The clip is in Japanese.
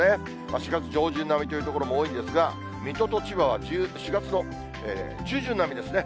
４月上旬並みという所も多いですが、水戸と千葉は４月の中旬並みですね。